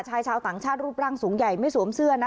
ชายชาวต่างชาติรูปร่างสูงใหญ่ไม่สวมเสื้อนะ